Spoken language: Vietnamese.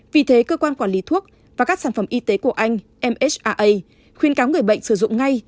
vì thế cơ quan quản lý thuốc và các sản phẩm y tế của anh msaa khuyên cáo người bệnh sử dụng ngay